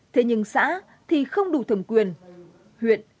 thế nhưng xã thì không đủ thầm quyền